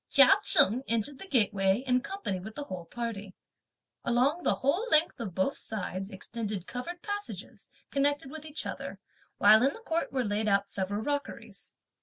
Chia Cheng entered the gateway in company with the whole party. Along the whole length of both sides extended covered passages, connected with each other; while in the court were laid out several rockeries.